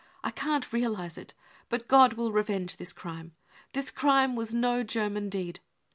I can't realise it. But God will revenge this crime. This crime was no German deed.